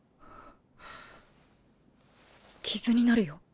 傷になるよ。